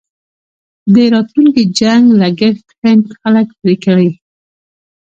د راتلونکي جنګ لګښت هند خلک پرې کړي.